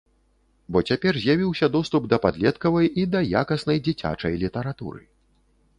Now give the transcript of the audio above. Бо цяпер з'явіўся доступ да падлеткавай і да якаснай дзіцячай літаратуры.